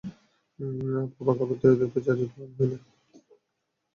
পাপা, খাবার তৈরিতে তো চাচির তুলনাই হয় না্।